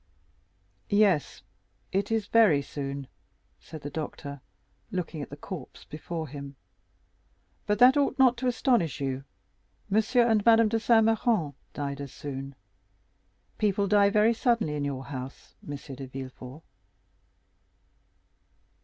"Yes, it is very soon," said the doctor, looking at the corpse before him; "but that ought not to astonish you; Monsieur and Madame de Saint Méran died as soon. People die very suddenly in your house, M. de Villefort."